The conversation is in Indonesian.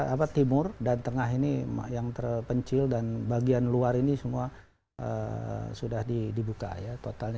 apa timur dan tengah ini yang terpencil dan bagian luar ini semua sudah dibuka ya totalnya